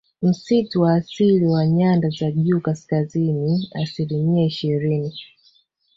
Msitu wa asili wa nyanda za juu kaskazini asilimia ishirini